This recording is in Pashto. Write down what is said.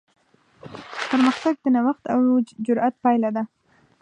پرمختګ د نوښت او جرات پایله ده.